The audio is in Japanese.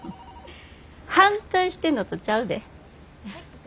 ☎反対してんのとちゃうで。